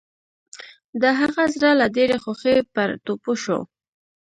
د هغه زړه له ډېرې خوښۍ پر ټوپو شو.